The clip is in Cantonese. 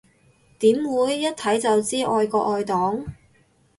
點會，一睇就知愛國愛黨